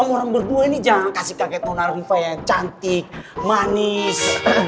orang berdua ini jangan kasih kaget nona riva yang cantik manis